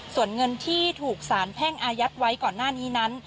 ส่วนเงินที่ถูกสารแพ่งอายัดไว้ก่อนหน้านี้นั้น